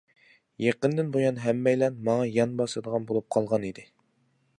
يېقىندىن بۇيان ھەممەيلەن ماڭا يان باسىدىغان بولۇپ قالغان ئىدى.